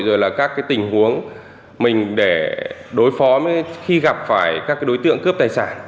rồi là các tình huống mình để đối phó với khi gặp phải các đối tượng cướp tài sản